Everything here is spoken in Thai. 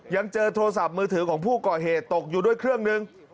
ยังเจอโทรศัพท์มือถือของผู้ก่อเหตุตกอยู่ด้วยเครื่องหนึ่ง